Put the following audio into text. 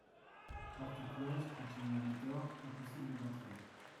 Porte close, continua Médor, impossible d'entrer.